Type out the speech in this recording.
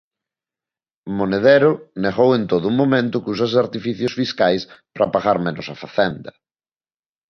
Monedero negou en todo momento que usase artificios fiscais para pagar menos a Facenda.